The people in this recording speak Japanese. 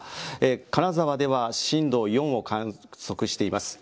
金沢では震度４を観測しています。